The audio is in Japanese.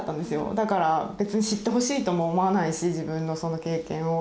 だから別に知ってほしいとも思わないし自分のその経験を。